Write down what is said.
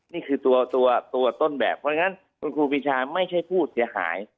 นี่คือตัวตัวต้นแบบเพราะฉะนั้นคุณครูปีชาไม่ใช่ผู้เสียหาย